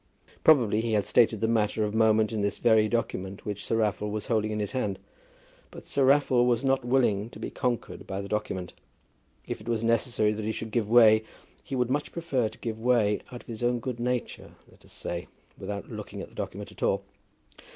Probably he had stated that matter of moment in this very document which Sir Raffle was holding in his hand. But Sir Raffle was not willing to be conquered by the document. If it was necessary that he should give way, he would much prefer to give way, out of his own good nature, let us say, without looking at the document at all.